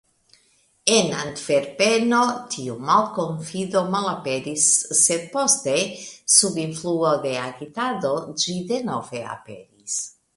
En Antverpeno, tiu malkonfido malaperis, sed poste, sub influo de agitado, ĝi denove aperis.